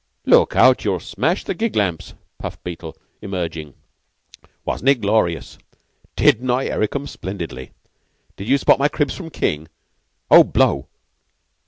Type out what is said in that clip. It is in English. "Look out. You'll smash my gig lamps," puffed Beetle, emerging. "Wasn't it glorious? Didn't I 'Eric' 'em splendidly? Did you spot my cribs from King? Oh, blow!"